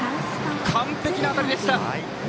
完璧な当たりでした。